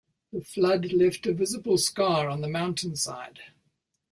The flood left a visible scar on the mountainside.